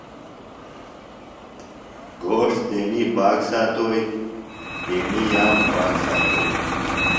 گھوݜٹ تیݨی پاک ساتوئیۡ، تیݨی یاب پاک ساتوئیۡ